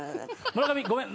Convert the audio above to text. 村上ごめん。